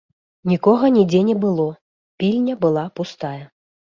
Нікога нідзе не было, пільня была пустая.